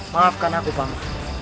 maafkan aku bang